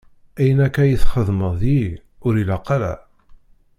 Ayen akka i txedmeḍ deg-i, ur ilaq ara.